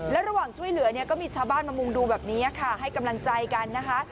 แล้วระหว่างช่วยเหลือเนี่ยก็มีชาวบ้านมามุงดูแบบนี้ค่ะให้กำลังใจกันนะคะ